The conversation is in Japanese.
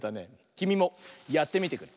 きみもやってみてくれ。